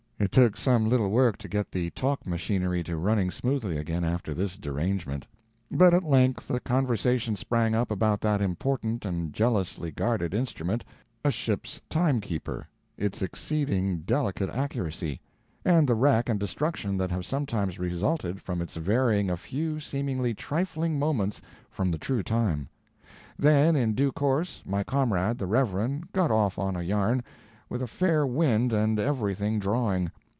It took some little work to get the talk machinery to running smoothly again after this derangement; but at length a conversation sprang up about that important and jealously guarded instrument, a ship's timekeeper, its exceeding delicate accuracy, and the wreck and destruction that have sometimes resulted from its varying a few seemingly trifling moments from the true time; then, in due course, my comrade, the Reverend, got off on a yarn, with a fair wind and everything drawing.